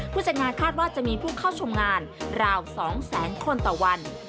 จัดงานคาดว่าจะมีผู้เข้าชมงานราว๒แสนคนต่อวัน